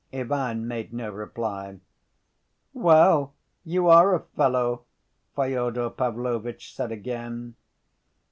Ivan made no reply. "Well, you are a fellow," Fyodor Pavlovitch said again.